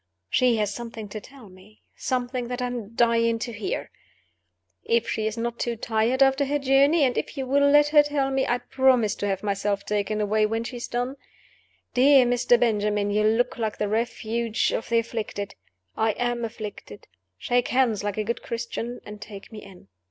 She has something to tell me something that I am dying to hear. If she is not too tired after her journey, and if you will let her tell it, I promise to have myself taken away when she has done. Dear Mr. Benjamin, you look like the refuge of the afflicted. I am afflicted. Shake hands like a good Christian, and take me in."